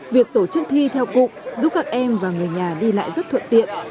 việc tổ chức thi theo cụm giúp các em và người nhà đi lại rất thuận tiện